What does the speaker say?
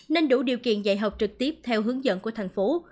nên đủ điều kiện dạy học trực tiếp theo hướng dẫn của thành phố